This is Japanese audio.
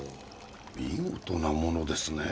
見事なものですねえ！